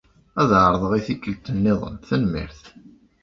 Ad ɛerḍeɣ i tikkelt-nniḍen, tanmirt.